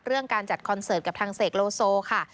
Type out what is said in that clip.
การจัดคอนเสิร์ตกับทางเสกโลโซค่ะ